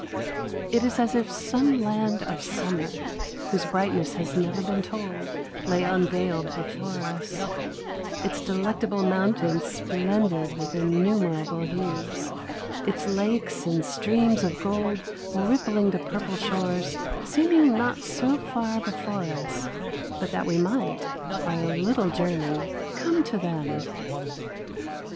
It is as if some land of summer whose brightness has never been told lay unveiled before us, its delectable mountains splendid with innumerable hues, its lakes and streams of gold rippling to purple shores seeming not so far before us but that we might, by a little journey, come to them.